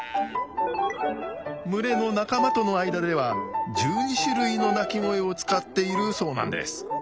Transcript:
群れの仲間との間では１２種類の鳴き声を使っているそうなんです。